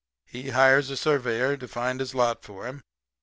He hires a surveyor to find his lot for him.